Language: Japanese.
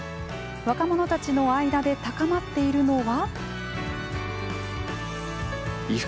若者たちの間で高まっているのは。